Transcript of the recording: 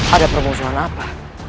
ada permusuhan apa